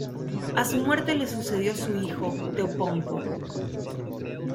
A su muerte le sucedió su hijo Teopompo.